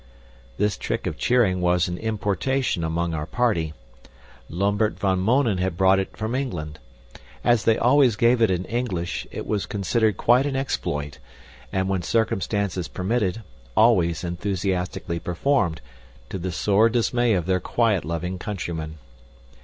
This trick of cheering was an importation among our party. Lambert van Mounen had brought it from England. As they always gave it in English, it was considered quite an exploit and, when circumstances permitted, always enthusiastically performed, to the sore dismay of their quiet loving countrymen.